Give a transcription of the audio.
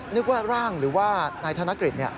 นึกว่าร่างหรือว่านายธนกฤษ